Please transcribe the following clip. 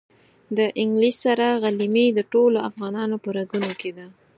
د انګلیس سره غلیمي د ټولو افغانانو په رګونو کې ده.